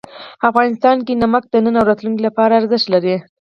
افغانستان کې نمک د نن او راتلونکي لپاره ارزښت لري.